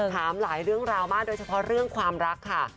ถามหลายเรื่องราวมากโดยเฉพาะเรื่องความรักค่ะ